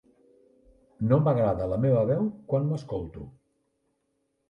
No m'agrada la meva veu quan m'escolto.